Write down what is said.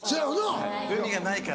はい海がないから。